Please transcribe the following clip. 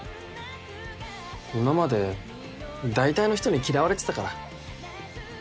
今までだいたいの人に嫌われてたから。